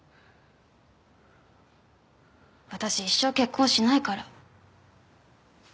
私一生結婚しないから。